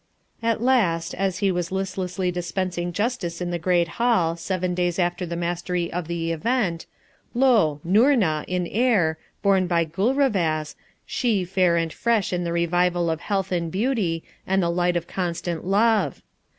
At last, as he was listlessly dispensing justice in the Great Hall, seven days after the mastery of the Event, lo, Noorna, in air, borne by Gulrevaz, she fair and fresh in the revival of health and beauty, and the light of constant love.